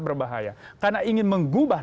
berbahaya karena ingin mengubah